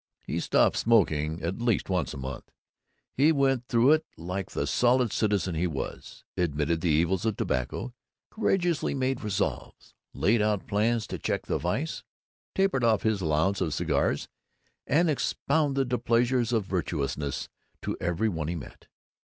He stopped smoking at least once a month. He went through with it like the solid citizen he was: admitted the evils of tobacco, courageously made resolves, laid out plans to check the vice, tapered off his allowance of cigars, and expounded the pleasures of virtuousness to every one he met.